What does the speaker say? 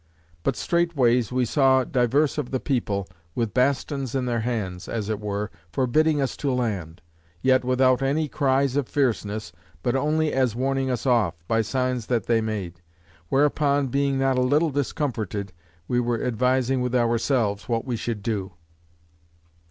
But straightways we saw divers of the people, with bastons in their hands (as it were) forbidding us to land; yet without any cries of fierceness, but only as warning us off, by signs that they made. Whereupon being not a little discomforted, we were advising with ourselves, what we should do.